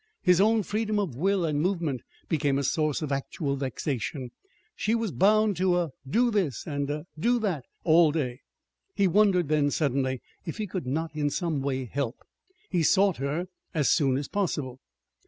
His own freedom of will and movement became a source of actual vexation she was bound to a "do this" and a "do that" all day. He wondered then, suddenly, if he could not in some way help. He sought her as soon as possible.